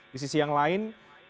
di sisi yang lain